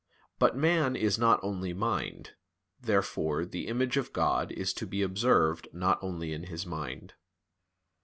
But man is not only mind. Therefore the image of God is to be observed not only in his mind.